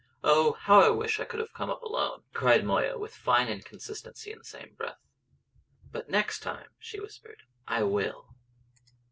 Oh, how I wish I could have come up alone!" cried Moya, with fine inconsistency, in the same breath. "But next time," she whispered, "I will!"